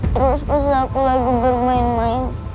terus pas aku lagu bermain main